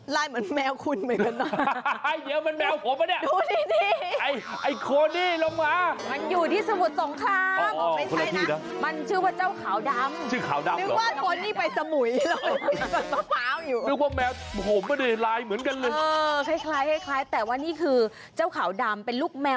เหมือนแมวคุณเหมือนกันนะ